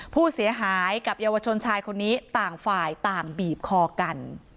ผู้เสียหายกับเยาวชนชายคนนี้ต่างฝ่ายต่างบีบคอกัน